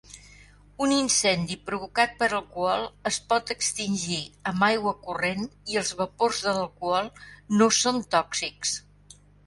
Un incendi provocat per alcohol es pot extingir amb aigua corrent i els vapors de l'alcohol no són tòxics.